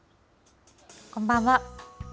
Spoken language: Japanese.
こんばんは。